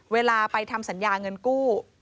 เวลาไปทำสัญญาเงินกู้